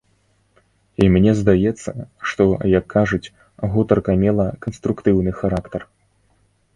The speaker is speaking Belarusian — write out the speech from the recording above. І мне здаецца, што, як кажуць, гутарка мела канструктыўны характар.